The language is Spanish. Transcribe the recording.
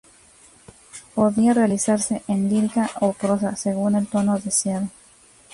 Podía realizarse en lírica o prosa, según el tono deseado.